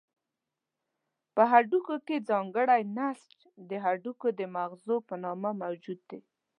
په هډوکو کې ځانګړی نسج د هډوکو د مغزو په نامه موجود دی.